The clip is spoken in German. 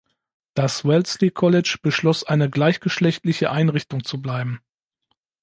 Das Wellesley College beschloss eine gleichgeschlechtliche Einrichtung zu bleiben.